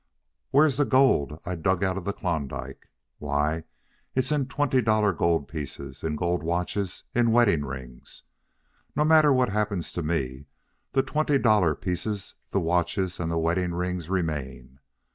Where's the gold I dug out of Klondike? Why, it's in twenty dollar gold pieces, in gold watches, in wedding rings. No matter what happens to me, the twenty dollar pieces, the watches, and the wedding rings remain.